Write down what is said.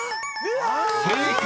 ［正解！